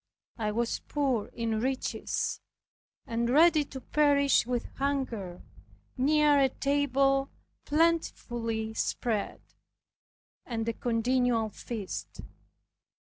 I was poor in riches, and ready to perish with hunger, near a table plentifully spread, and a continual feast.